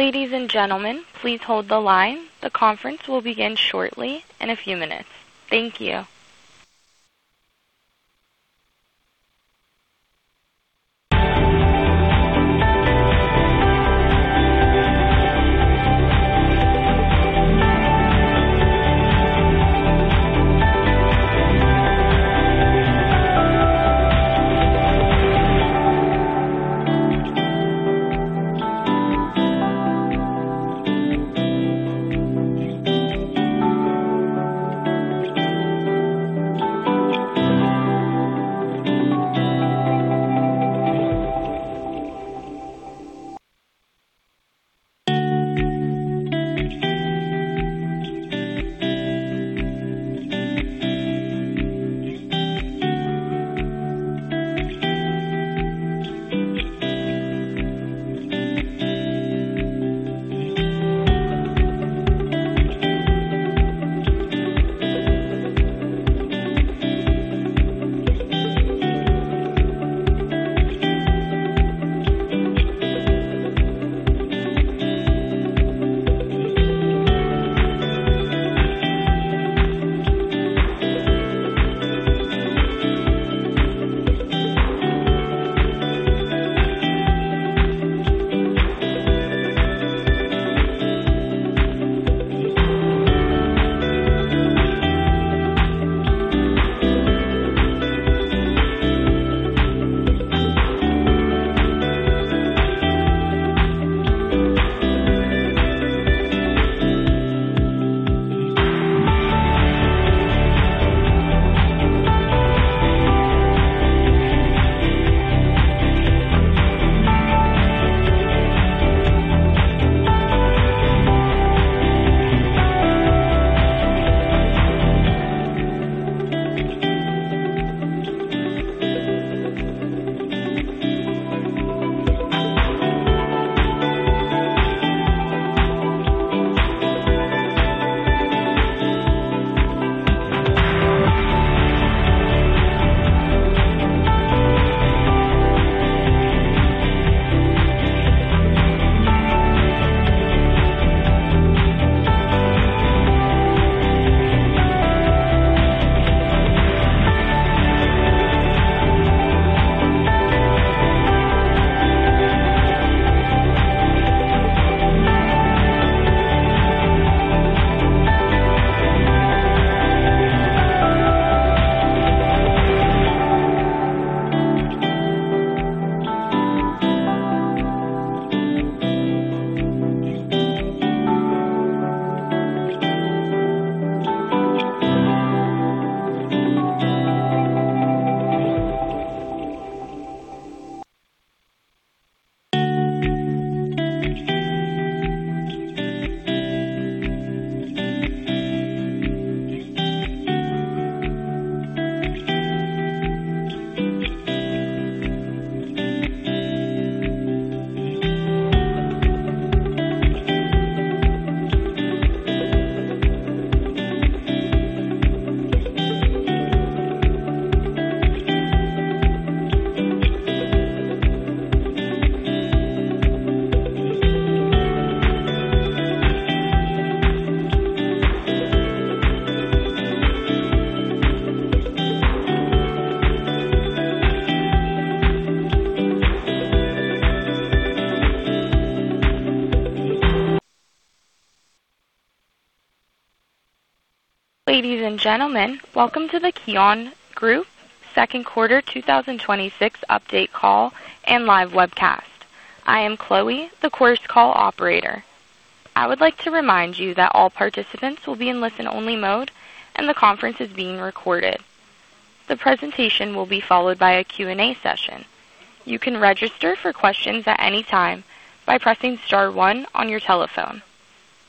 Ladies and gentlemen, please hold the line. The conference will begin shortly in a few minutes. Thank you. Ladies and gentlemen, welcome to the KION Group Second Quarter 2026 update call and live webcast. I am Chloe, the Chorus Call operator. I would like to remind you that all participants will be in listen-only mode and the conference is being recorded. The presentation will be followed by a Q&A session. You can register for questions at any time by pressing star one on your telephone.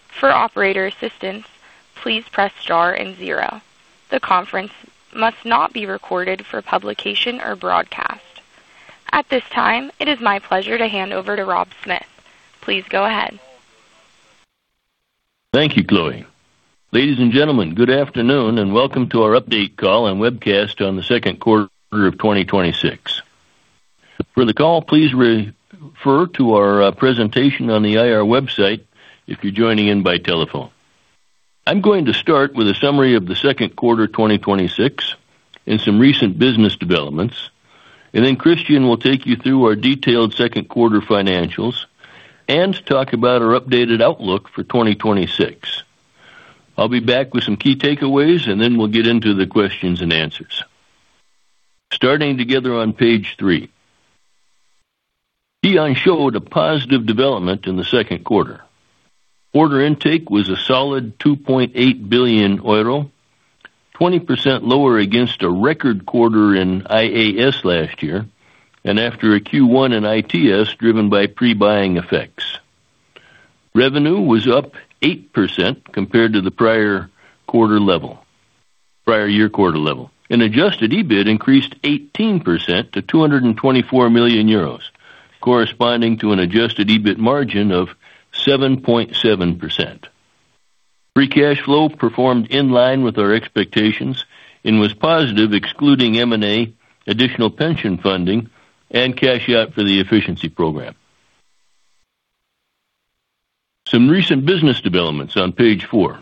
For operator assistance, please press star and zero. The conference must not be recorded for publication or broadcast. At this time, it is my pleasure to hand over to Rob Smith. Please go ahead. Thank you, Chloe. Ladies and gentlemen, good afternoon, and welcome to our update call and webcast on the second quarter of 2026. For the call, please refer to our presentation on the IR website if you're joining in by telephone. I'm going to start with a summary of the second quarter 2026 and some recent business developments. Then Christian will take you through our detailed second-quarter financials and talk about our updated outlook for 2026. I'll be back with some key takeaways. Then we'll get into the questions and answers. Starting together on page three. KION showed a positive development in the second quarter. Order intake was a solid 2.8 billion euro, 20% lower against a record quarter in IAS last year, and after a Q1 in ITS driven by pre-buying effects. Revenue was up 8% compared to the prior-year- quarter level. Adjusted EBIT increased 18% to 224 million euros, corresponding to an adjusted EBIT margin of 7.7%. Free cash flow performed in line with our expectations and was positive, excluding M&A, additional pension funding, and cash out for the efficiency program. Some recent business developments on page four.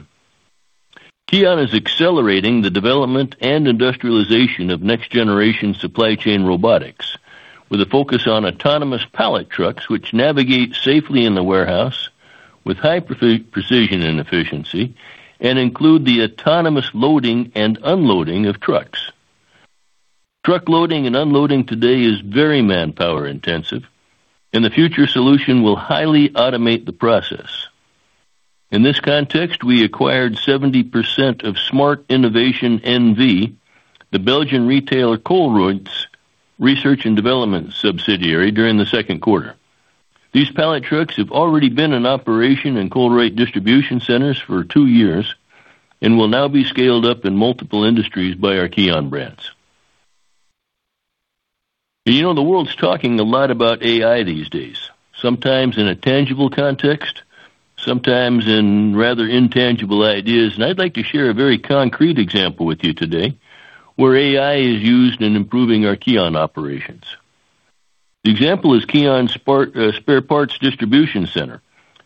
KION is accelerating the development and industrialization of next-generation supply chain robotics, with a focus on autonomous pallet trucks, which navigate safely in the warehouse with high precision and efficiency and include the autonomous loading and unloading of trucks. Truck loading and unloading today is very manpower-intensive, and the future solution will highly automate the process. In this context, we acquired 70% of Smart Innovation NV, the Belgian retailer Colruyt's research and development subsidiary, during the second quarter. These pallet trucks have already been in operation in Colruyt distribution centers for two years and will now be scaled up in multiple industries by our KION Brands. The world's talking a lot about AI these days, sometimes in a tangible context, sometimes in rather intangible ideas. I'd like to share a very concrete example with you today where AI is used in improving our KION operations. The example is KION Spare Parts Distribution Center,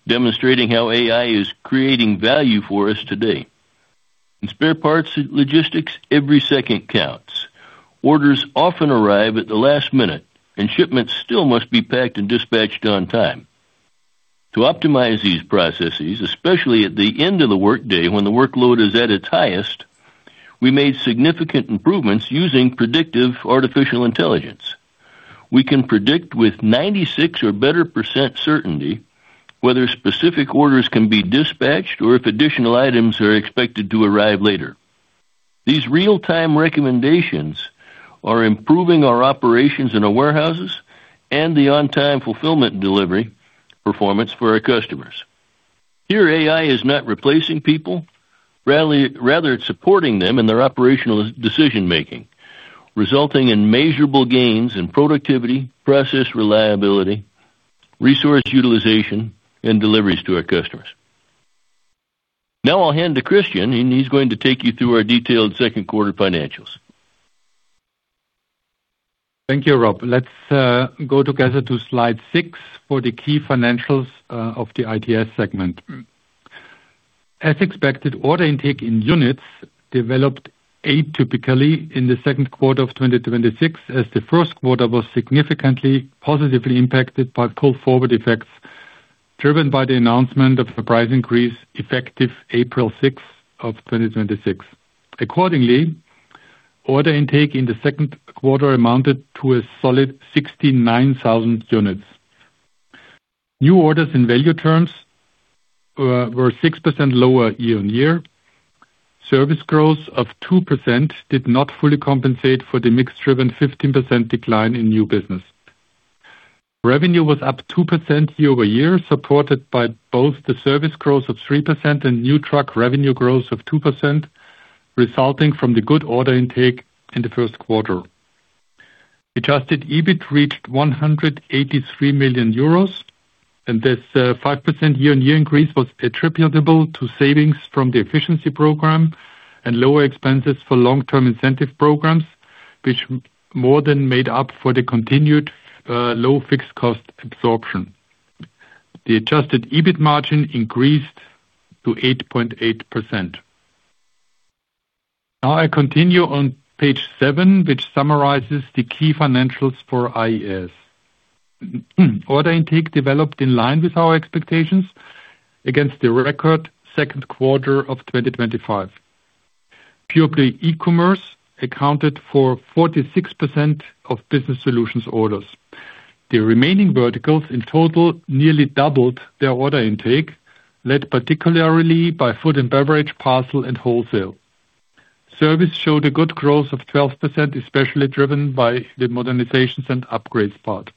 demonstrating how AI is creating value for us today. In spare parts logistics, every second counts. Orders often arrive at the last minute, and shipments still must be packed and dispatched on time. To optimize these processes, especially at the end of the workday when the workload is at its highest, we made significant improvements using predictive artificial intelligence. We can predict with 96% or better certainty whether specific orders can be dispatched or if additional items are expected to arrive later. These real-time recommendations are improving our operations in our warehouses and the on-time fulfillment delivery performance for our customers. Here, AI is not replacing people. Rather, it's supporting them in their operational decision-making, resulting in measurable gains in productivity, process reliability, resource utilization, and deliveries to our customers. Now I'll hand it to Christian, and he's going to take you through our detailed second-quarter financials. Thank you, Rob. Let's go together to slide six for the key financials of the ITS segment. As expected, order intake in units developed atypically in the second quarter of 2026, as the first quarter was significantly positively impacted by pull-forward effects, driven by the announcement of a price increase effective April 6th of 2026. Accordingly, order intake in the second quarter amounted to a solid 69,000 units. New orders in value terms were 6% lower year-on-year. Service growth of 2% did not fully compensate for the mix-driven 15% decline in new business. Revenue was up 2% year-over-year, supported by both the service growth of 3% and new truck revenue growth of 2%, resulting from the good order intake in the first quarter. Adjusted EBIT reached 183 million euros. This 5% year-on-year increase was attributable to savings from the efficiency program and lower expenses for long-term incentive programs, which more than made up for the continued low fixed cost absorption. The adjusted EBIT margin increased to 8.8%. I continue on page seven, which summarizes the key financials for IAS. Order intake developed in line with our expectations against the record second quarter of 2025. Pure-play e-commerce accounted for 46% of business solutions orders. The remaining verticals in total nearly doubled their order intake, led particularly by food and beverage, parcel, and wholesale. Service showed a good growth of 12%, especially driven by the modernization and upgrade part.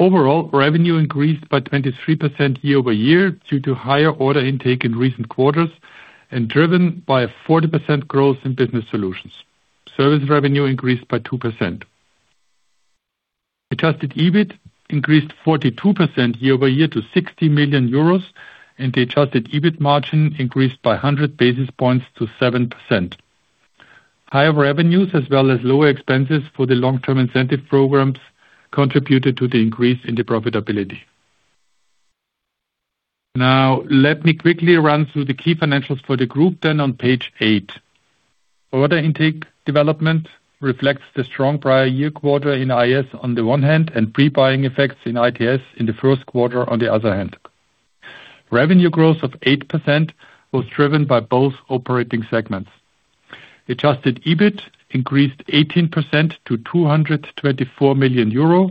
Overall, revenue increased by 23% year-over-year due to higher order intake in recent quarters and driven by a 40% growth in business solutions. Service revenue increased by 2%. Adjusted EBIT increased 42% year-over-year to 60 million euros. The adjusted EBIT margin increased by 100 basis points to 7%. Higher revenues as well as lower expenses for the long-term incentive programs contributed to the increase in profitability. Let me quickly run through the key financials for the group, then on page eight. Order intake development reflects the strong prior-year- quarter in IAS on the one hand and pre-buying effects in ITS in the first quarter on the other hand. Revenue growth of 8% was driven by both operating segments. Adjusted EBIT increased 18% to 224 million euro,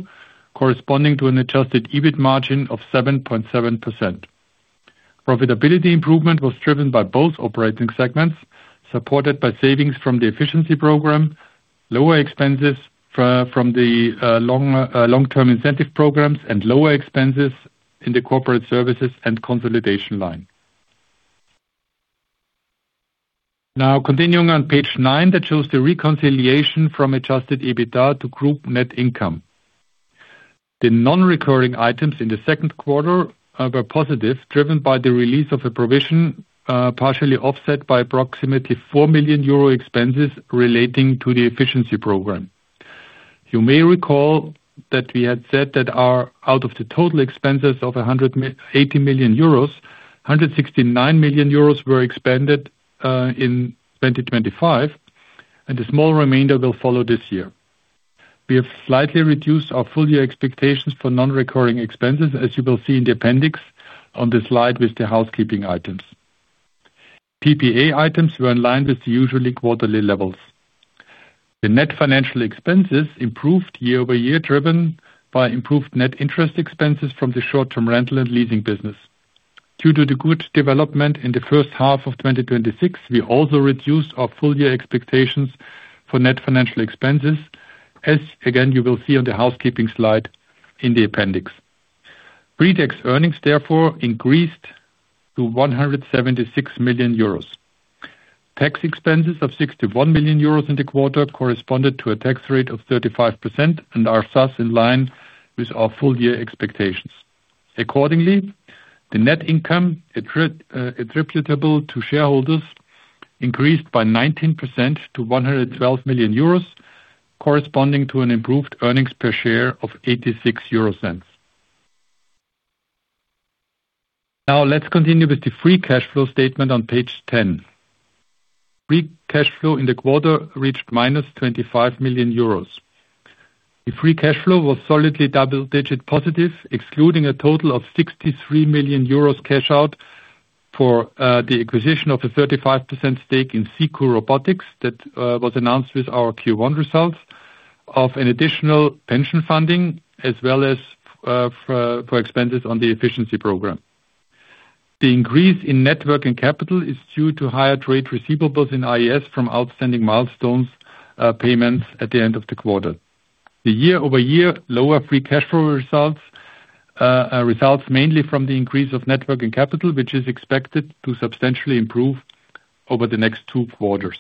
corresponding to an adjusted EBIT margin of 7.7%. Profitability improvement was driven by both operating segments, supported by savings from the efficiency program, lower expenses from the long-term incentive programs, and lower expenses in the corporate services and consolidation line. Continuing on page nine, which shows the reconciliation from adjusted EBITDA to group net income. The non-recurring items in the second quarter were positive, driven by the release of a provision, partially offset by approximately 4 million euro expenses relating to the efficiency program. You may recall that we had said that out of the total expenses of 180 million euros, 169 million euros were expended in 2025, and a small remainder will follow this year. We have slightly reduced our full-year expectations for non-recurring expenses, as you will see in the appendix on the slide with the housekeeping items. PPA items were in line with the usual quarterly levels. The net financial expenses improved year-over-year, driven by improved net interest expenses from the short-term rental and leasing business. Due to the good development in the first half of 2026, we also reduced our full-year expectations for net financial expenses. Again, you will see on the housekeeping slide in the appendix. Pretax earnings therefore increased to 176 million euros. Tax expenses of 61 million euros in the quarter corresponded to a tax rate of 35% and are thus in line with our full-year expectations. Accordingly, the net income attributable to shareholders increased by 19% to 112 million euros, corresponding to an improved earnings per share of 0.86. Let's continue with the free cash flow statement on page 10. Free cash flow in the quarter reached minus 25 million euros. The free cash flow was solidly double-digit positive, excluding a total of 63 million euros cash out for the acquisition of a 35% stake in Zikoo Robotics that was announced with our Q1 results of an additional pension funding, as well as for expenses on the efficiency program. The increase in net working capital is due to higher trade receivables in IAS from outstanding milestone payments at the end of the quarter. The year-over-year lower free cash flow results mainly from the increase of net working capital, which is expected to substantially improve over the next two quarters.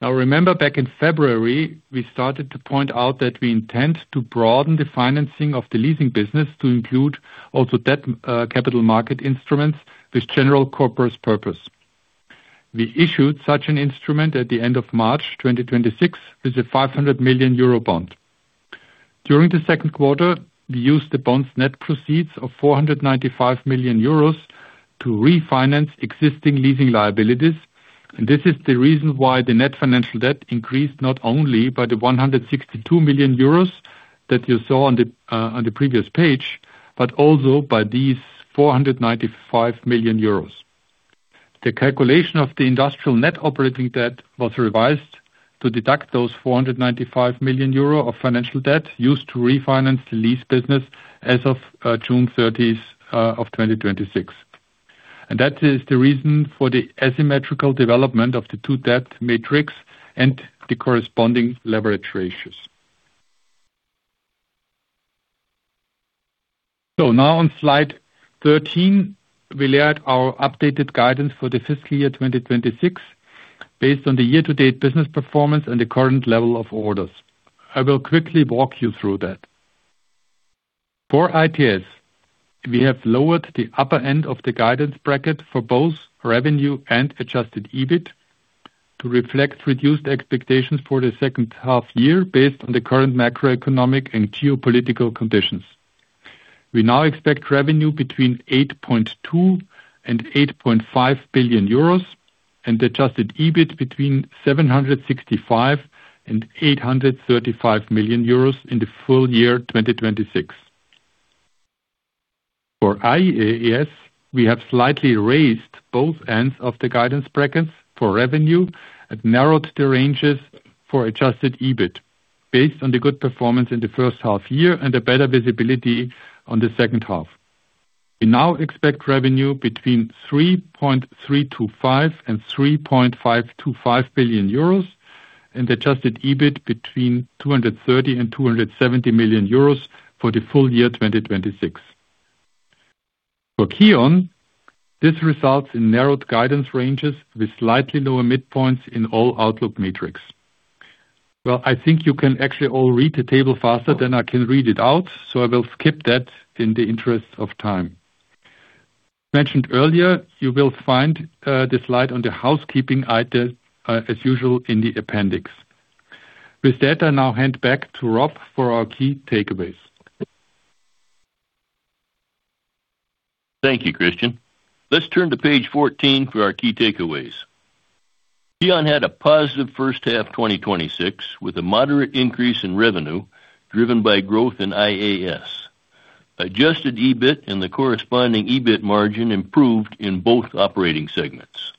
Remember back in February, we started to point out that we intend to broaden the financing of the leasing business to include also debt capital market instruments with general corporate purpose. We issued such an instrument at the end of March 2026 with a 500 million euro bond. During the second quarter, we used the bonds net proceeds of 495 million euros to refinance existing leasing liabilities, and this is the reason why the net financial debt increased not only by the 162 million euros that you saw on the previous page, but also by these 495 million euros. The calculation of the industrial net operating debt was revised to deduct those 495 million euro of financial debt used to refinance the lease business as of June 30th of 2026. That is the reason for the asymmetrical development of the two debt metrics and the corresponding leverage ratios. On slide 13, we laid out our updated guidance for the fiscal year 2026 based on the year-to-date business performance and the current level of orders. I will quickly walk you through that. For ITS, we have lowered the upper end of the guidance bracket for both revenue and adjusted EBIT to reflect reduced expectations for the second half of the year based on the current macroeconomic and geopolitical conditions. We now expect revenue between 8.2 billion and 8.5 billion euros and adjusted EBIT between 765 million and 835 million euros in the full year 2026. For IAS, we have slightly raised both ends of the guidance brackets for revenue and narrowed the ranges for adjusted EBIT based on the good performance in the first half-year and a better visibility in the second half. We now expect revenue between 3.325 billion euros and 3.525 billion euros and adjusted EBIT between 230 million and 270 million euros for the full year 2026. For KION, this results in narrowed guidance ranges with slightly lower midpoints in all outlook metrics. I think you can actually all read the table faster than I can read it out, so I will skip that in the interest of time. As mentioned earlier, you will find the slide on the housekeeping item, as usual in the appendix. With that, I now hand back to Rob for our key takeaways. Thank you, Christian. Let's turn to page 14 for our key takeaways. KION had a positive first half 2026, with a moderate increase in revenue driven by growth in IAS. Adjusted EBIT and the corresponding EBIT margin improved in both operating segments.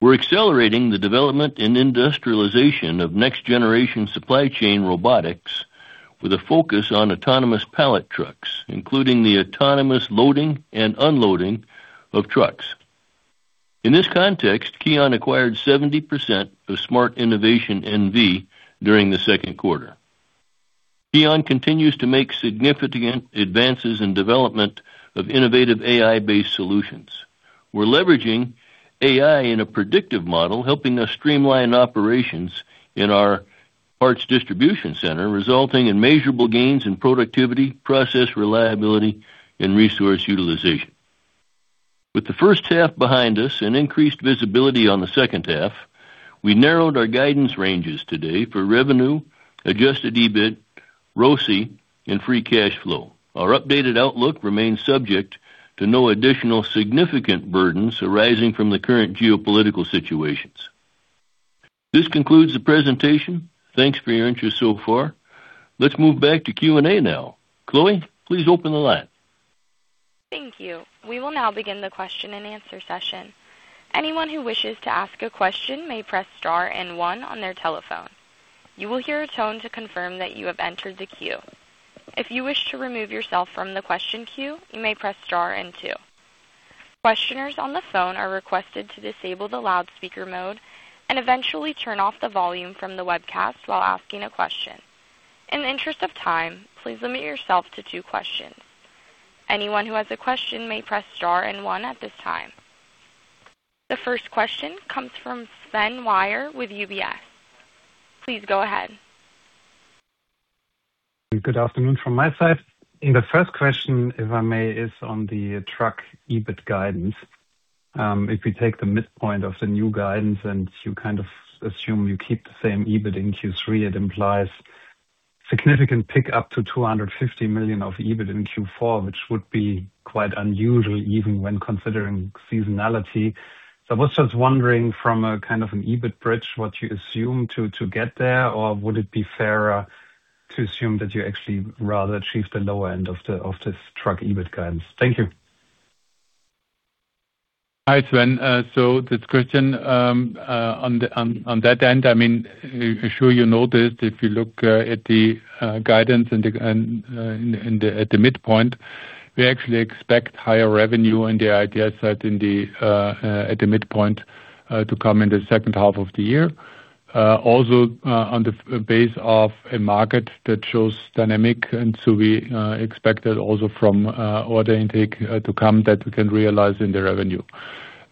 We're accelerating the development and industrialization of next-generation supply chain robotics with a focus on autonomous pallet trucks, including the autonomous loading and unloading of trucks. In this context, KION acquired 70% of Smart Innovation NV during the second quarter. KION continues to make significant advances in development of innovative AI-based solutions. We're leveraging AI in a predictive model, helping us streamline operations in our parts distribution center, resulting in measurable gains in productivity, process reliability, and resource utilization. With the first half behind us and increased visibility on the second half, we narrowed our guidance ranges today for revenue, adjusted EBIT, ROCE, and free cash flow. Our updated outlook remains subject to no additional significant burdens arising from the current geopolitical situations. This concludes the presentation. Thanks for your interest so far. Let's move back to Q&A now. Chloe, please open the line. Thank you. We will now begin the question and answer session. Anyone who wishes to ask a question may press star and one on their telephone. You will hear a tone to confirm that you have entered the queue. If you wish to remove yourself from the question queue, you may press star and two. Questioners on the phone are requested to disable the loudspeaker mode and eventually turn off the volume from the webcast while asking a question. In the interest of time, please limit yourself to two questions. Anyone who has a question may press star and one at this time. The first question comes from Sven Weier with UBS. Please go ahead. Good afternoon from my side. The first question, if I may, is on the truck EBIT guidance. If we take the midpoint of the new guidance and you assume you keep the same EBIT in Q3, it implies significant pick-up to 250 million of EBIT in Q4, which would be quite unusual even when considering seasonality. I was just wondering from a kind of an EBIT bridge, what you assume to get there? Or would it be fairer to assume that you actually rather achieve the lower end of this truck EBIT guidance? Thank you. Hi, Sven. This question, on that end, I'm sure you noticed if you look at the guidance at the midpoint, we actually expect higher revenue in the ITS at the midpoint, to come in the second half of the year. Also, on the base of a market that shows dynamic, we expect that also from order intake to come that we can realize in the revenue.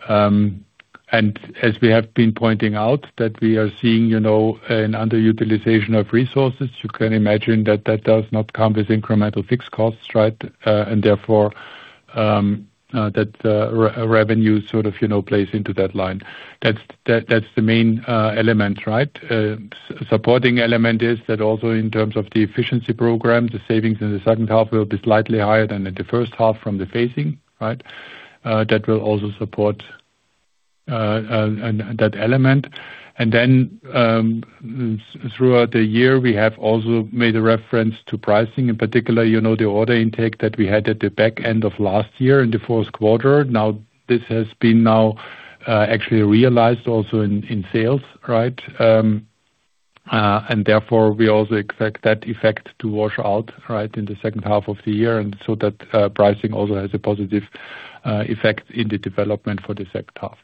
As we have been pointing out, that we are seeing an underutilization of resources. You can imagine that that does not come with incremental fixed costs. Therefore, that revenue sort of plays into that line. That's the main element. Supporting element is that also in terms of the efficiency program, the savings in the second half will be slightly higher than in the first half from the phasing. That will also support that element. Throughout the year, we have also made a reference to pricing. In particular, the order intake that we had at the back end of last year in the fourth quarter. This has been now actually realized also in sales. Therefore, we also expect that effect to wash out in the second half of the year, that pricing also has a positive effect in the development for the second half.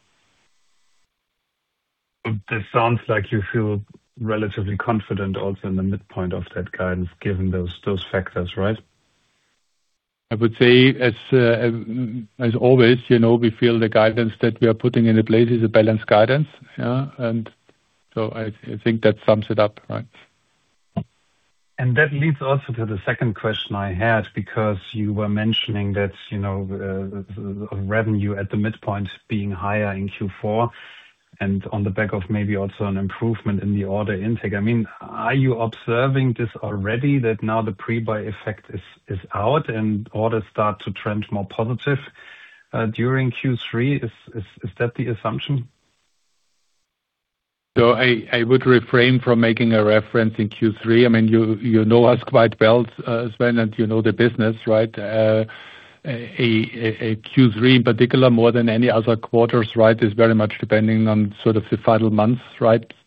That sounds like you feel relatively confident also in the midpoint of that guidance, given those factors, right? I would say, as always, we feel the guidance that we are putting into place is a balanced guidance. I think that sums it up. That leads also to the second question I had, because you were mentioning that revenue at the midpoint being higher in Q4 and on the back of maybe also an improvement in the order intake. Are you observing this already that now the pre-buy effect is out and orders start to trend more positive during Q3? Is that the assumption? I would refrain from making a reference in Q3. You know us quite well, Sven, and you know the business. A Q3 in particular, more than any other quarters, is very much depending on sort of the final months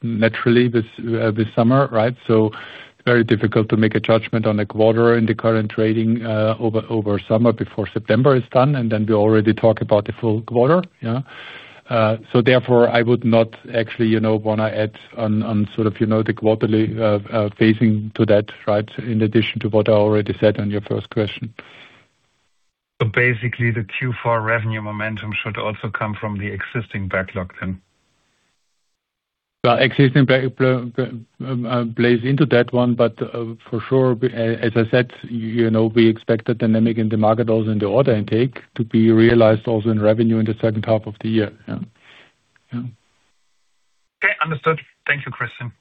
naturally this summer. Very difficult to make a judgment on a quarter in the current trading over summer before September is done, and then we already talk about the full quarter. Therefore, I would not actually want to add on sort of the quarterly phasing to that in addition to what I already said on your first question. Basically, the Q4 revenue momentum should also come from the existing backlog then? Existing backlog plays into that one, but for sure, as I said, we expect the dynamic in the market also in the order intake to be realized also in revenue in the second half of the year. Yeah. Understood. Thank you, Christian.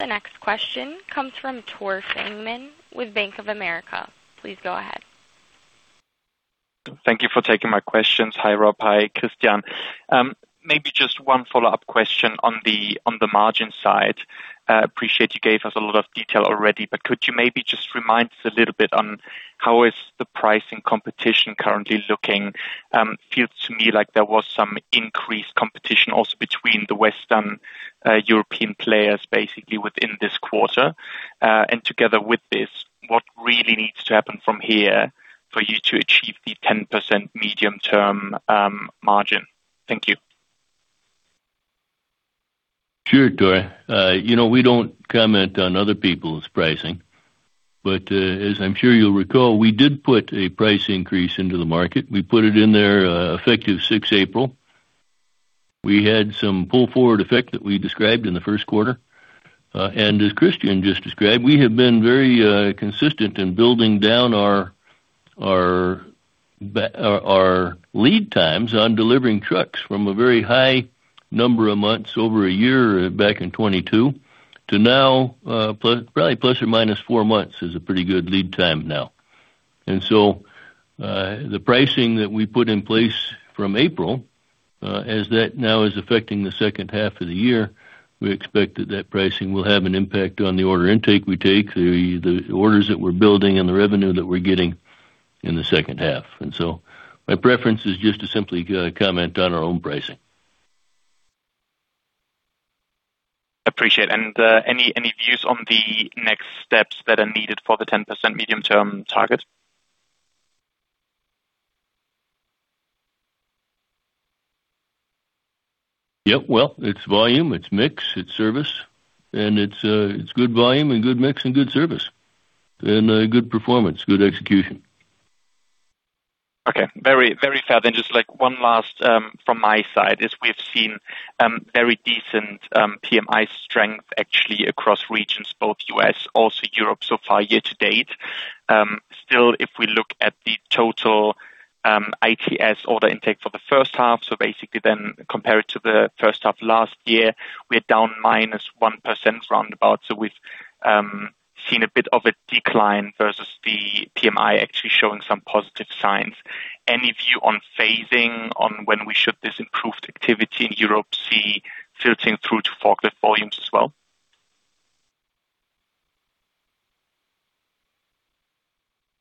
The next question comes from Tore Fangmann with Bank of America. Please go ahead. Thank you for taking my questions. Hi, Rob. Hi, Christian. One follow-up question on the margin side. Appreciate you gave us a lot of detail already, could you remind us on how is the pricing competition currently looking? Feels to me like there was some increased competition also between the Western European players within this quarter. Together with this, what really needs to happen from here for you to achieve the 10% medium-term margin? Thank you. Sure, Tor. We don't comment on other people's pricing. As I'm sure you'll recall, we did put a price increase into the market. We put it in there effective 6th April. We had some pull-forward effect that we described in the first quarter. As Christian just described, we have been very consistent in building down our lead times on delivering trucks from a very high number of months, over a year, back in 2022. To now, probably ± four months is a pretty good lead time now. The pricing that we put in place from April, as that now is affecting the second half of the year, we expect that that pricing will have an impact on the order intake we take, the orders that we're building and the revenue that we're getting in the second half. My preference is just to simply comment on our own pricing. Appreciate. Any views on the next steps that are needed for the 10% medium-term target? Yeah. Well, it's volume, it's mix, it's service. It's good volume and good mix and good service. Good performance, good execution. Okay. Very fair. Just one last from my side, is we've seen very decent PMI strength actually across regions, both U.S. also Europe so far year to date. If we look at the total ITS order intake for the first half, so basically then compare it to the first half last year, we are down minus 1% roundabout. We've seen a bit of a decline versus the PMI actually showing some positive signs. Any view on phasing on when we should this improved activity in Europe see filtering through to forklift volumes as well?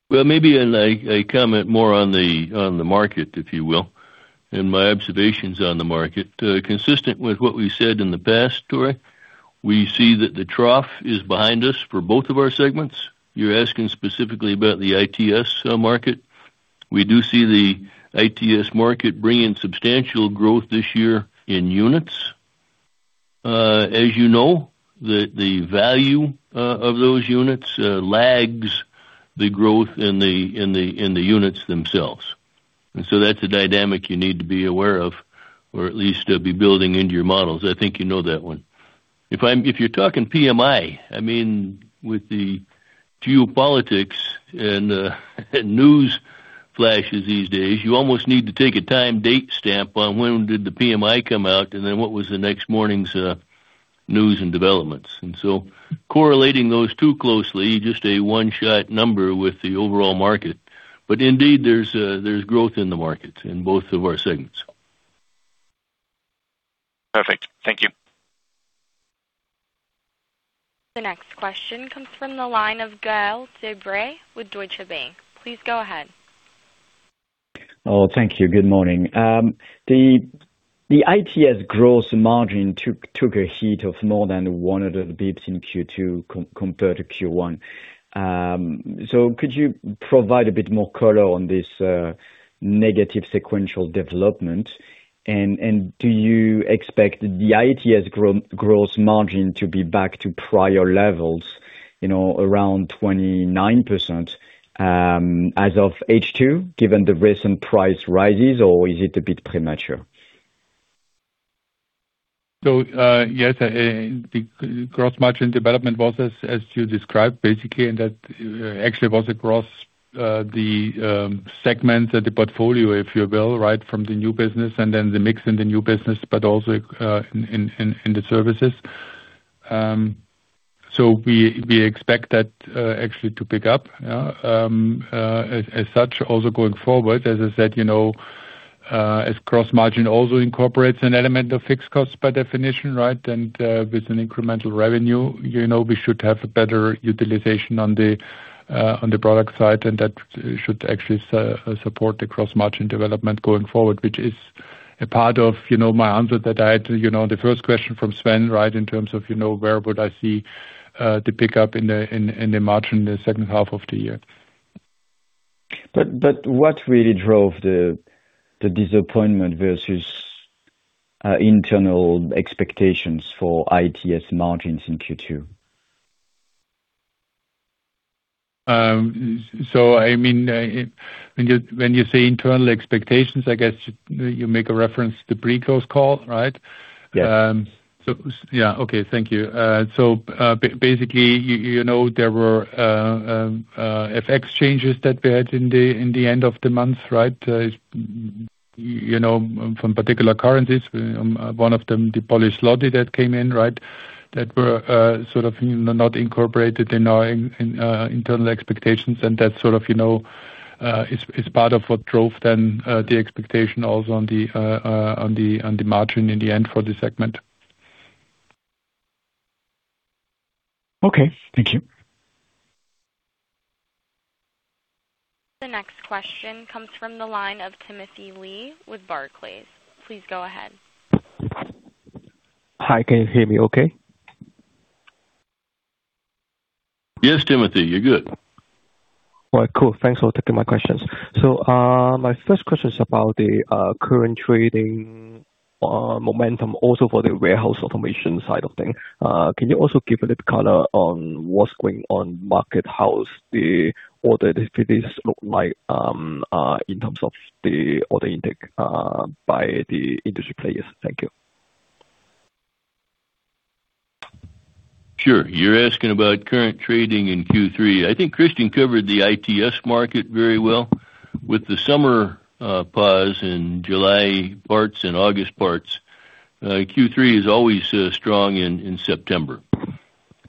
Well, maybe I comment more on the market, if you will, and my observations on the market. Consistent with what we said in the past, Tory, we see that the trough is behind us for both of our segments. You're asking specifically about the ITS market. We do see the ITS market bring in substantial growth this year in units. As you know, the value of those units lags the growth in the units themselves. That's a dynamic you need to be aware of or at least be building into your models. I think you know that one. If you're talking PMI, with the geopolitics and news flashes these days, you almost need to take a time date stamp on when did the PMI come out, and then what was the next morning's news and developments. Correlating those two closely, just a one-shot number with the overall market. Indeed, there's growth in the markets in both of our segments. Perfect. Thank you. The next question comes from the line of Gael de Bray with Deutsche Bank. Please go ahead. Thank you. Good morning. The ITS gross margin took a hit of more than 100 basis points in Q2 compared to Q1. Could you provide a bit more color on this negative sequential development? Do you expect the ITS gross margin to be back to prior levels, around 29%, as of H2, given the recent price rises? Is it a bit premature? Yes, the gross margin development was as you described, basically, and that actually was across the segment or the portfolio, if you will. From the new business and then the mix in the new business, but also in the services. We expect that actually to pick up as such also going forward. As I said, as gross margin also incorporates an element of fixed costs by definition. With an incremental revenue, we should have a better utilization on the product side, and that should actually support the gross margin development going forward, which is a part of my answer that I had to the first question from Sven. In terms of where would I see the pickup in the margin in the second half of the year. What really drove the disappointment versus internal expectations for ITS margins in Q2? When you say internal expectations, I guess you make a reference to pre-close call, right? Yes. Yeah. Okay. Thank you. Basically, there were FX changes that we had in the end of the month. From particular currencies, one of them, the Polish zloty that came in. That were sort of not incorporated in our internal expectations. That sort of is part of what drove then the expectation also on the margin in the end for the segment. Okay. Thank you. The next question comes from the line of Timothy Lee with Barclays. Please go ahead. Hi, can you hear me okay? Yes, Timothy, you're good. All right, cool. Thanks for taking my questions. My first question is about the current trading momentum also for the warehouse automation side of things. Can you also give a little color on what's going on market? How's the order activities look like in terms of the order intake by the industry players? Thank you. Sure. You're asking about current trading in Q3. I think Christian covered the ITS market very well with the summer pause in July parts and August parts. Q3 is always strong in September.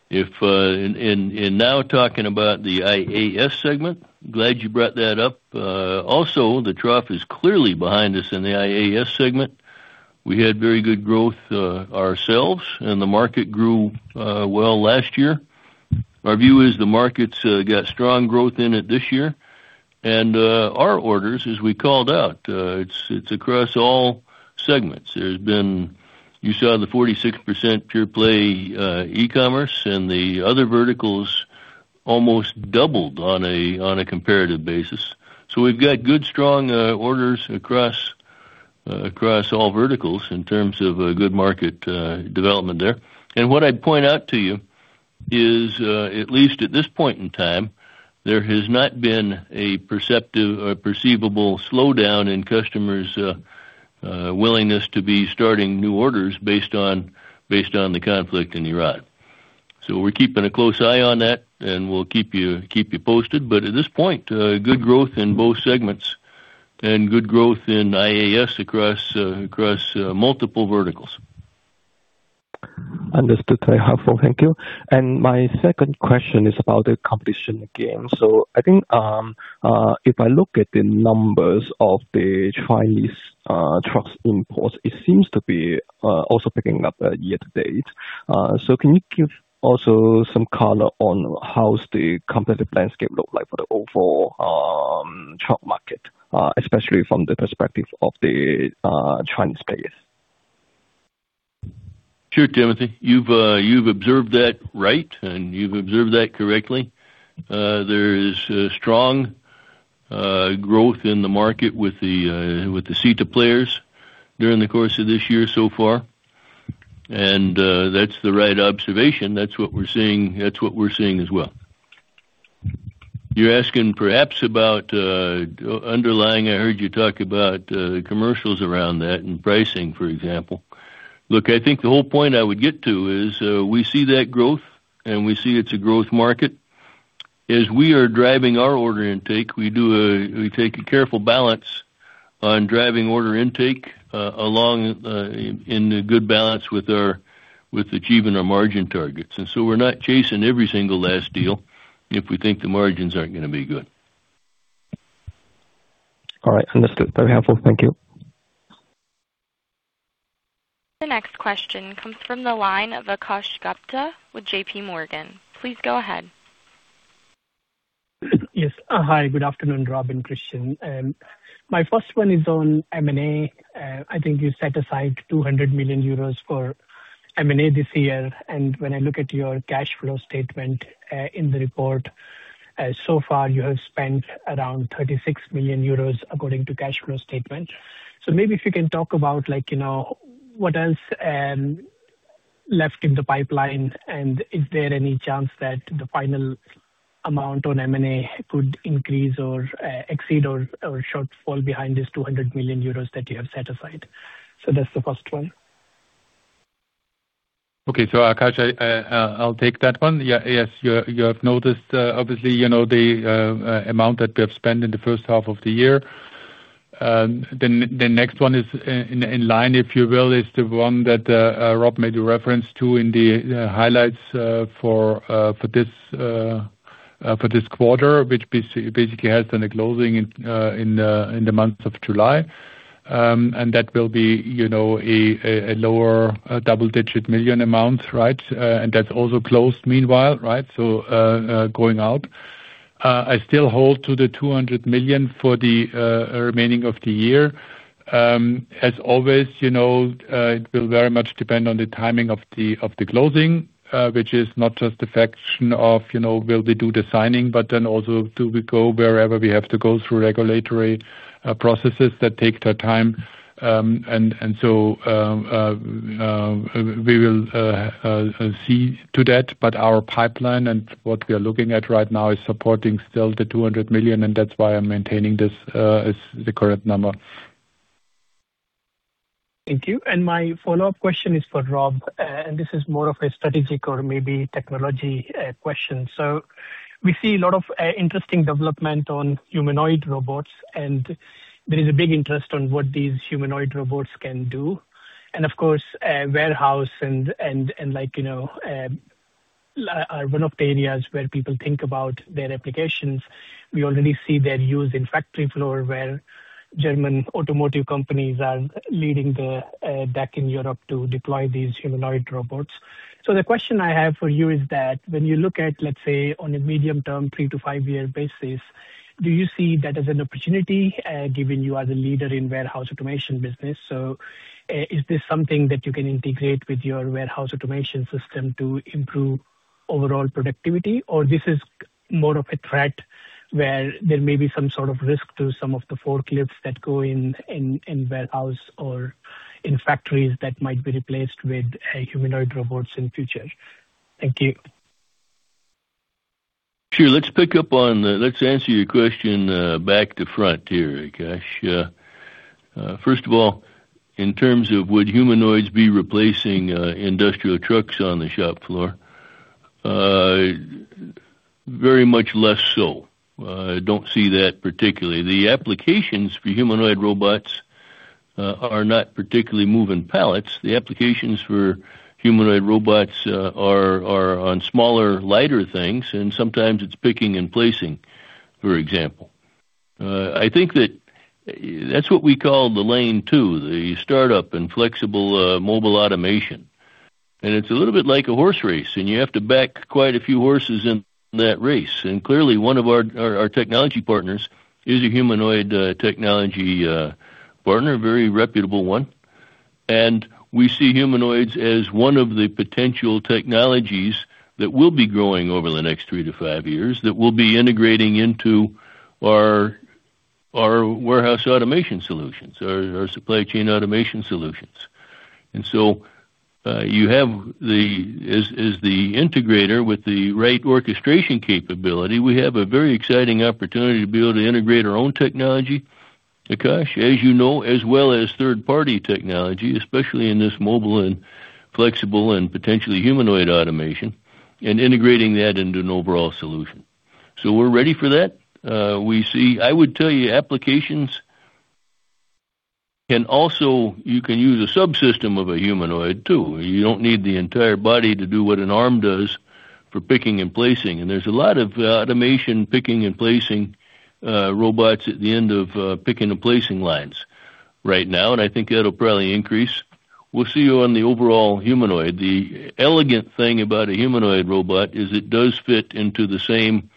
If in now talking about the IAS segment, glad you brought that up. The trough is clearly behind us in the IAS segment. We had very good growth ourselves and the market grew well last year. Our view is the market's got strong growth in it this year. Our orders, as we called out, it's across all segments. You saw the 46% pure play e-commerce and the other verticals almost doubled on a comparative basis. We've got good, strong orders across all verticals in terms of good market development there. What I'd point out to you is, at least at this point in time, there has not been a perceptible slowdown in customers' willingness to be starting new orders based on the conflict in Iran. We're keeping a close eye on that, and we'll keep you posted. At this point, good growth in both segments and good growth in IAS across multiple verticals. Understood. Very helpful. Thank you. My second question is about the competition again. I think, if I look at the numbers of the Chinese truck imports, it seems to be also picking up year to date. Can you give also some color on how the competitive landscape look like for the overall truck market, especially from the perspective of the Chinese players? Sure, Timothy. You've observed that right, and you've observed that correctly. There is strong growth in the market with the Chinese players during the course of this year so far. That's the right observation. That's what we're seeing as well. You're asking perhaps about underlying, I heard you talk about commercials around that and pricing, for example. Look, I think the whole point I would get to is, we see that growth, and we see it's a growth market. As we are driving our order intake, we take a careful balance on driving order intake along in the good balance with achieving our margin targets. We're not chasing every single last deal if we think the margins aren't going to be good. All right. Understood. Very helpful. Thank you. The next question comes from the line of Akash Gupta with JPMorgan. Please go ahead. Yes. Hi, good afternoon, Rob and Christian. My first one is on M&A. I think you set aside 200 million euros for M&A this year. When I look at your cash flow statement, in the report, so far you have spent around 36 million euros according to cash flow statement. Maybe if you can talk about what else left in the pipeline, and is there any chance that the final amount on M&A could increase or exceed or shortfall behind this 200 million euros that you have set aside? That's the first one. Okay. Akash, I'll take that one. Yes, you have noticed, obviously, the amount that we have spent in the first half of the year. The next one is in line, if you will, is the one that Rob made a reference to in the highlights for this quarter, which basically has done a closing in the month of July. That will be a lower double-digit million amount, right? That also closed meanwhile, right? Going out. I still hold to the 200 million for the remaining of the year. As always, it will very much depend on the timing of the closing, which is not just the function of will we do the signing, but also do we go wherever we have to go through regulatory processes that take their time. We will see to that, but our pipeline and what we are looking at right now is supporting still the 200 million, and that's why I'm maintaining this as the current number. Thank you. My follow-up question is for Rob, and this is more of a strategic or maybe technology question. We see a lot of interesting development on humanoid robots, and there is a big interest on what these humanoid robots can do. Of course, warehouse and like, you know, are one of the areas where people think about their applications. We already see they're used in factory floor where German automotive companies are leading the pack in Europe to deploy these humanoid robots. The question I have for you is that when you look at, let's say, on a medium-term, three to five-year basis, do you see that as an opportunity, given you as a leader in warehouse automation business? Is this something that you can integrate with your warehouse automation system to improve overall productivity? This is more of a threat where there may be some sort of risk to some of the forklifts that go in warehouse or in factories that might be replaced with humanoid robots in future? Thank you. Sure. Let's answer your question, back to front here, Akash. First of all, in terms of would humanoids be replacing industrial trucks on the shop floor? Very much less so. I don't see that particularly. The applications for humanoid robots are not particularly moving pallets. The applications for humanoid robots are on smaller, lighter things, and sometimes it's picking and placing, for example. I think that's what we call the lane 2, the startup and flexible mobile automation. It's a little bit like a horse race, and you have to back quite a few horses in that race. Clearly one of our technology partners is a humanoid technology partner, a very reputable one. We see humanoids as one of the potential technologies that will be growing over the next three to five years, that will be integrating into our warehouse automation solutions, our supply chain automation solutions. You have, as the integrator with the right orchestration capability, we have a very exciting opportunity to be able to integrate our own technology, Akash, as you know, as well as third-party technology, especially in this mobile and flexible and potentially humanoid automation, and integrating that into an overall solution. We're ready for that. I would tell you applications, and also you can use a subsystem of a humanoid too. You don't need the entire body to do what an arm does for picking and placing. There's a lot of automation picking and placing robots at the end of picking and placing lines right now, and I think that'll probably increase. We'll see you on the overall humanoid. The elegant thing about a humanoid robot is it does fit into the same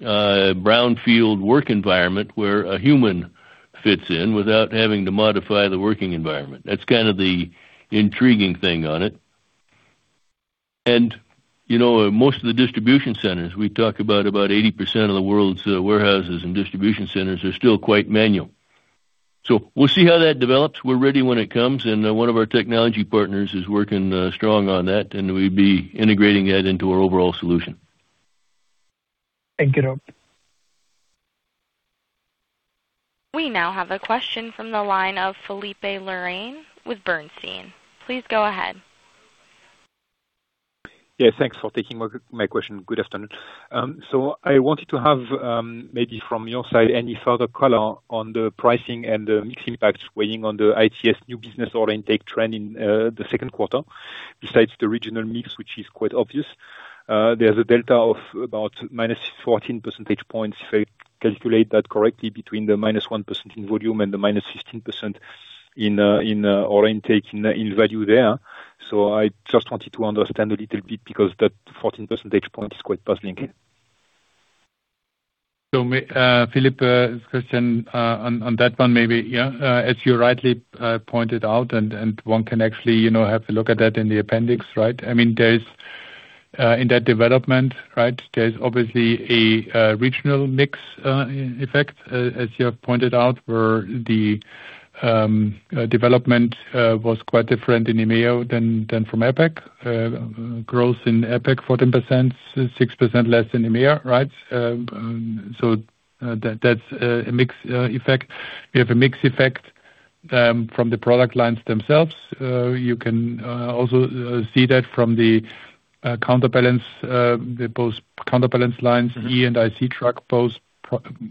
brownfield work environment where a human fits in without having to modify the working environment. That's kind of the intriguing thing on it. Most of the distribution centers, we talk about 80% of the world's warehouses and distribution centers, are still quite manual. We'll see how that develops. We're ready when it comes, and one of our technology partners is working strong on that, and we'll be integrating that into our overall solution. Thank you. We now have a question from the line of Philippe Lorrain with Bernstein. Please go ahead. I wanted to have, maybe from your side, any further color on the pricing and the mix impact weighing on the ITS new business order intake trend in the second quarter, besides the regional mix, which is quite obvious. There is a delta of about -14 percentage points, if I calculate that correctly, between the -1% in volume and the -15% in order intake in value there. I just wanted to understand a little bit, because that 14 percentage point is quite puzzling. Philippe, Christian, on that one maybe, as you rightly pointed out, and one can actually have a look at that in the appendix, right? In that development there's obviously a regional mix effect, as you have pointed out, where the development was quite different in EMEA than in APAC. Growth in APAC is 14%, 6% less than EMEA, right? That's a mix effect. We have a mix effect from the product lines themselves. You can also see that from the counterbalance, both counterbalance lines, Electric and IC truck, are both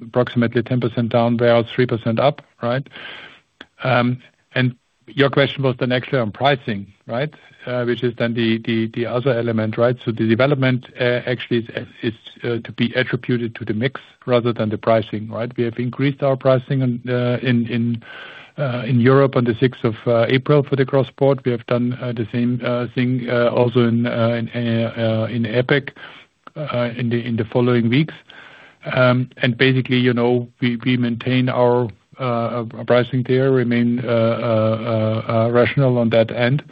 approximately 10% down, and warehouse three percent up, right? Your question was then actually on pricing, which is then the other element. The development actually is to be attributed to the mix rather than the pricing. We have increased our pricing in Europe on the 6th of April for the cross-border. We have done the same thing also in APAC in the following weeks. Basically, we maintain our pricing there and remain rational on that end.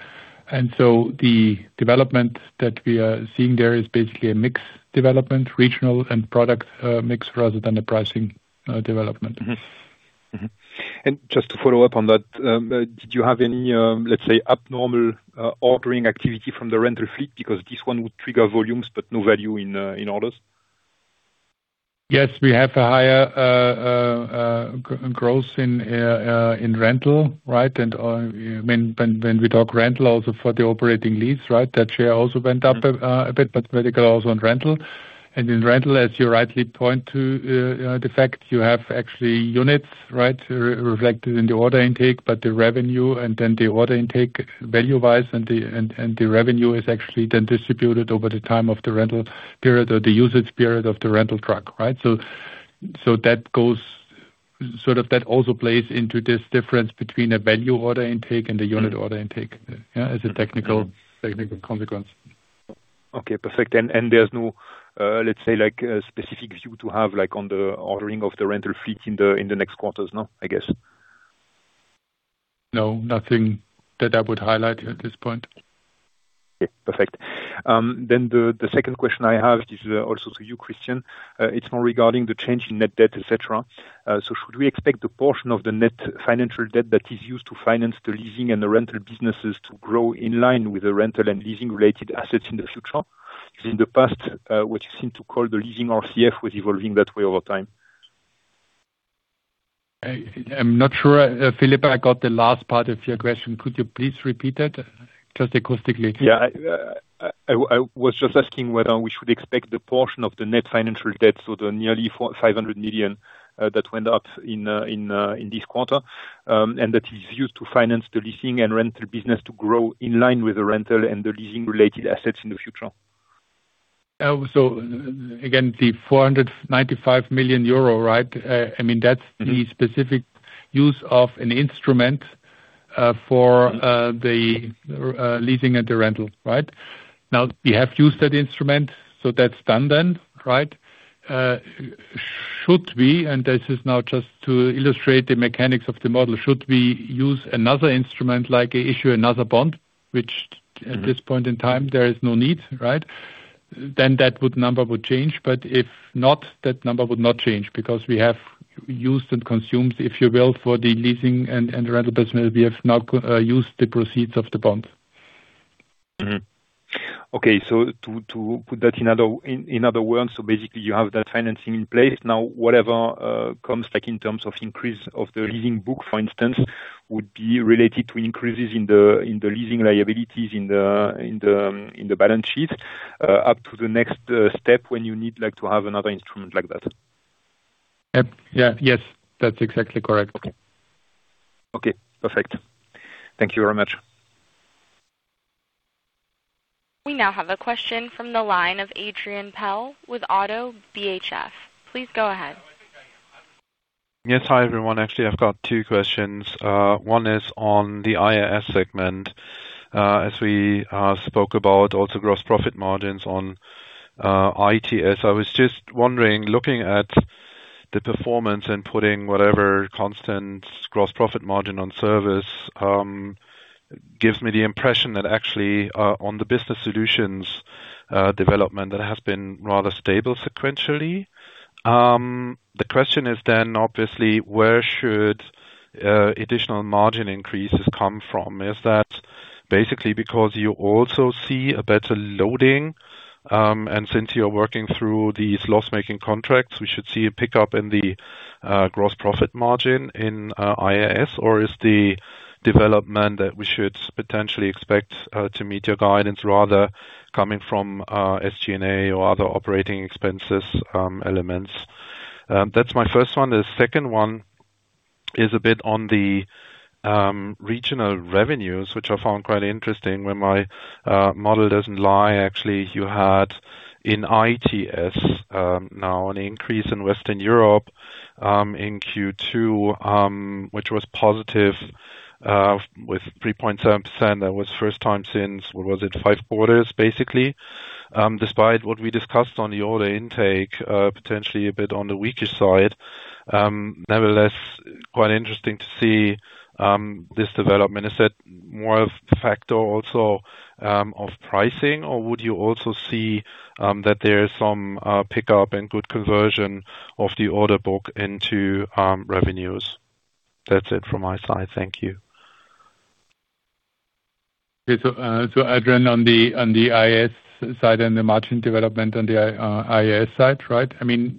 The development that we are seeing there is basically a mix of development, regional and product mix rather than the pricing development. Mm-hmm. Just to follow up on that, did you have any, let's say, abnormal ordering activity from the rental fleet? Because this one would trigger volumes but no value in orders. Yes, we have higher growth in rentals. When we talk rental also for the operating lease, that share also went up a bit, but vertically also on rental. In rental, as you rightly point out, you have actually units reflected in the order intake, but the revenue and then the order intake value-wise, and the revenue is actually then distributed over the time of the rental period or the usage period of the rental truck. That also plays into this difference between a value-order intake and the unit-order intake as a technical consequence. Okay, perfect. There's no, let's say, specific view to have on the ordering of the rental fleet in the next quarters, no, I guess? No, nothing that I would highlight at this point. Yeah. Perfect. The second question I have is also to you, Christian. It's more regarding the change in net debt, et cetera. Should we expect the portion of the net financial debt that is used to finance the leasing and the rental businesses to grow in line with the rental- and leasing-related assets in the future? Because in the past, what you seem to call the leasing RCF was evolving that way over time. I'm not sure, Philippe, but I got the last part of your question. Could you please repeat it? Just acoustically. I was just asking whether we should expect the portion of the net financial debt, so the nearly 500 million, that went up in this quarter, and that is used to finance the leasing and rental business to grow in line with the rental and the leasing related assets in the future. Again, the 495 million euro, right? That's the specific use of an instrument for the leasing and the rental. We have used that instrument, so that's done then. Should we, and this is now just to illustrate the mechanics of the model, should we use another instrument, like issue another bond, which at this point in time, there is no need for? That number would change, but if not, that number would not change because we have used and consumed, if you will, for the leasing and rental business, we have now used the proceeds of the bond. To put that in other words, you have that financing in place now, whatever comes back in terms of increase of the leasing book, for instance, would be related to increases in the leasing liabilities in the balance sheet, up to the next step when you need to have another instrument like that. Yes. That's exactly correct. Okay. Perfect. Thank you very much. We now have a question from the line of Adrian Pehl with ODDO BHF. Please go ahead. Yes. Hi, everyone. Actually, I've got two questions. One is on the IAS segment. As we spoke about also gross profit margins on ITS. I was just wondering, looking at the performance and putting whatever constant gross profit margin on service, gives me the impression that actually, on the business solutions development, that has been rather stable sequentially. The question is, obviously, where should additional margin increases come from? Is that basically because you also see a better loading, and since you're working through these loss-making contracts, we should see a pickup in the gross profit margin in IAS, or is the development that we should potentially expect to meet your guidance rather coming from SG&A or other operating expenses elements? That's my first one. The second one is a bit on the regional revenues, which I found quite interesting when my model doesn't lie. Actually, you had an increase in ITS, now in Western Europe, in Q2, which was positive, with 3.7%. That was the first time since, what was it? five quarters basically. Despite what we discussed on the order intake, it's potentially a bit on the weaker side. Nevertheless, it's quite interesting to see this development. Is that more of a factor also, of pricing, or would you also see that there is some pickup and good conversion of the order book into revenues? That's it from my side. Thank you. Adrian, on the IAS side and the margin development on the IAS side.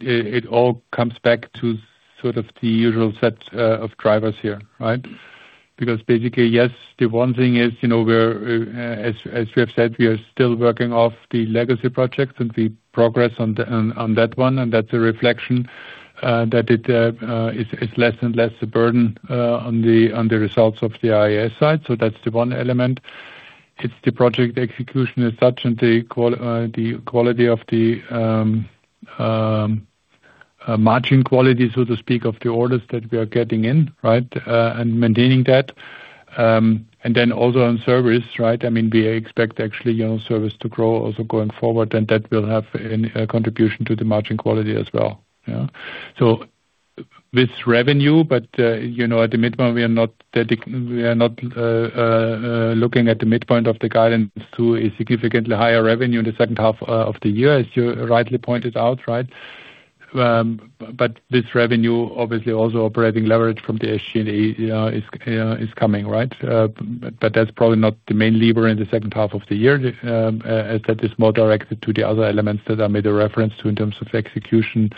It all comes back to sort of the usual set of drivers here. Basically, yes, the one thing is, as we have said, we are still working off the legacy projects and the progress on that one, and that's a reflection that it's less and less a burden on the results of the IAS side. That's the one element. It's the project execution as such and the margin quality, so to speak, of the orders that we are getting in. Maintaining that. Also on service. We expect, actually, service to grow also going forward, and that will have a contribution to the margin quality as well. With revenue, at the midpoint, we are not looking at the midpoint of the guidance to a significantly higher revenue in the second half of the year, as you rightly pointed out. This revenue, obviously, also operating leverage from the SG&A is coming. That's probably not the main lever in the second half of the year. As that is more directed to the other elements that I made a reference to in terms of execution,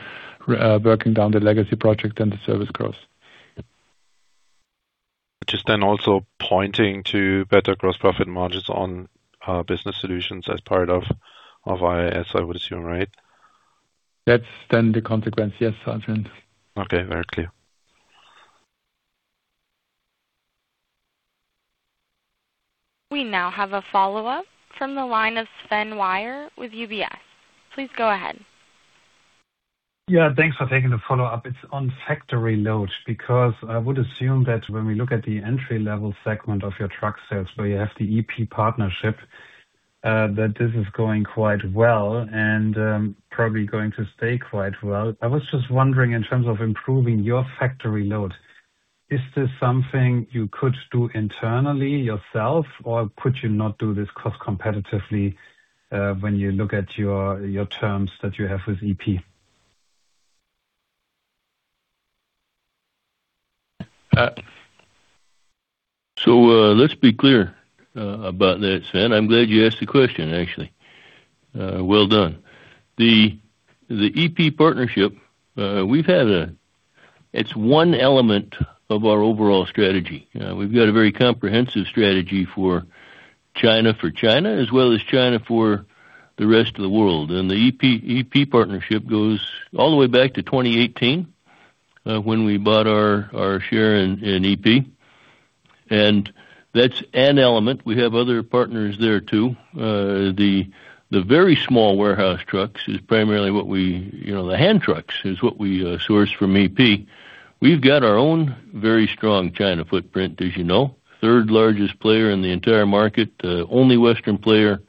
working down the legacy project and the service growth. Which is then also pointing to better gross profit margins on our business solutions as part of IAS, I would assume, right? That's then the consequence, yes, Adrian. Okay, very clear. We now have a follow-up from the line of Sven Weier with UBS. Please go ahead. Yeah, thanks for taking the follow-up. It's on factory load, because I would assume that when we look at the entry-level segment of your truck sales, where you have the EP partnership, that this is going quite well and probably going to stay quite well. I was just wondering, in terms of improving your factory load, is this something you could do internally yourself, or could you not do this cost-competitively when you look at your terms that you have with EP? Let's be clear about that, Sven. I'm glad you asked the question, actually. Well done. The EP partnership is one element of our overall strategy. We've got a very comprehensive strategy for China, for China as well as China for the rest of the world. The EP partnership goes all the way back to 2018, when we bought our share in EP. That's an element. We have other partners there, too. The very small warehouse trucks is primarily what we source from EP. We've got our own very strong China footprint, as you know, third largest player in the entire market, the only Western player,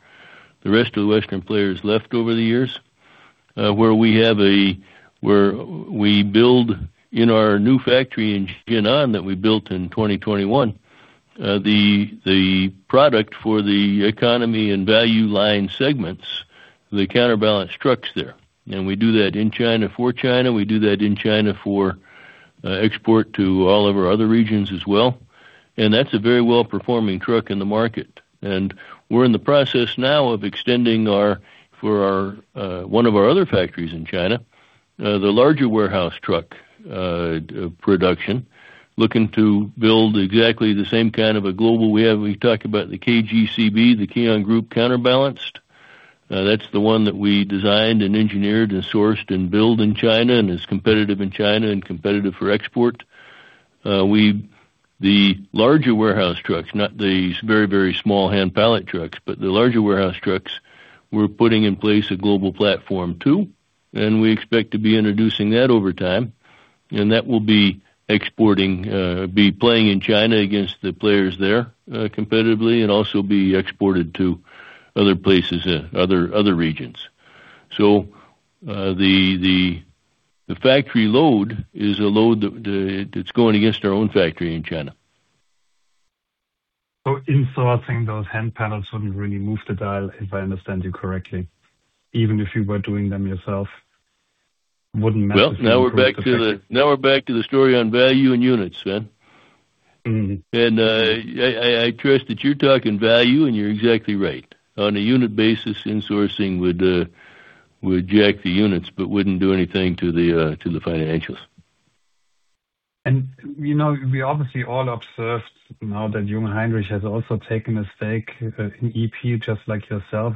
the rest of the Western players left over the years, where we build in our new factory in Jinan that we built in 2021, the product for the economy and value line segments, the counterbalance trucks there. We do that in China for China. We do that in China for export to all of our other regions as well. That's a very well-performing truck in the market. We're in the process now of extending one of our other factories in China, the larger warehouse truck production, looking to build exactly the same kind of a global we have. We talk about the KGCB, the KION Group Counterbalanced. That's the one that we designed and engineered and sourced and build in China and is competitive in China and competitive for export. The larger warehouse trucks, not these very, very small hand pallet trucks, but the larger warehouse trucks, we're putting in place a global platform, too, and we expect to be introducing that over time. That will be exporting, be playing in China against the players there competitively, and also be exported to other places and other regions. The factory load is a load that's going against our own factory in China. Insourcing those hand pallets wouldn't really move the dial, if I understand you correctly. now we're back to the story on value and units, Sven. I trust that you're talking value, and you're exactly right. On a unit basis, insourcing would jack the units but wouldn't do anything to the financials. we obviously all observed now that Jungheinrich has also taken a stake in EP, just like yourself.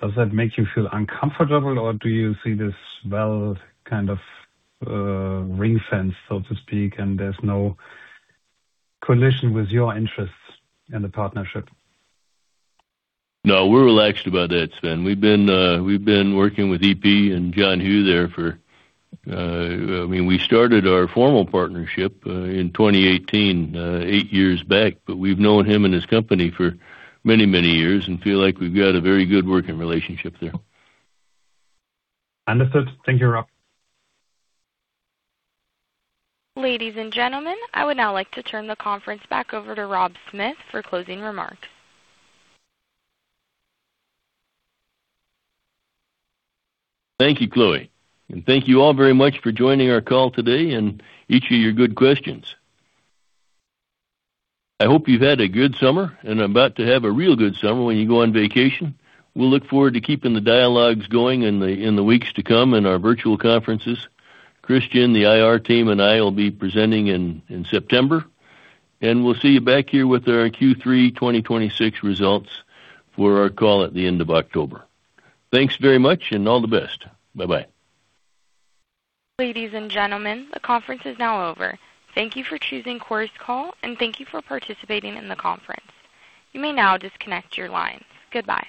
Does that make you feel uncomfortable, or do you see this well-kind-of-ring-fence, so to speak, and there's no collision with your interests in the partnership? we're relaxed about that, Sven. We've been working with EP and John Hu there. We started our formal partnership in 2018, eight years back, but we've known him and his company for many, many years and feel like we've got a very good working relationship there. Understood. Thank you, Rob. Ladies and gentlemen, I would now like to turn the conference back over to Rob Smith for closing remarks. Thank you, Chloe. Thank you all very much for joining our call today and each of your good questions. I hope you've had a good summer and are about to have a real good summer when you go on vacation. We'll look forward to keeping the dialogues going in the weeks to come in our virtual conferences. Christian, the IR team, and I will be presenting in September, and we'll see you back here with our Q3 2026 results for our call at the end of October. Thanks very much and all the best. Bye-bye. Ladies and gentlemen, the conference is now over. Thank you for choosing Chorus Call, and thank you for participating in the conference. You may now disconnect your lines. Goodbye.